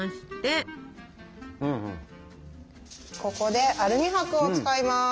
ここでアルミ箔を使います。